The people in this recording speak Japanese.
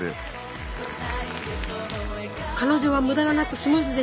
彼女は無駄がなくスムーズでした。